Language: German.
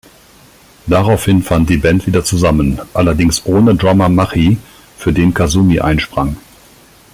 Daraufhin fand die Band wieder zusammen, allerdings ohne Drummer Machi, für den Kazumi einsprang.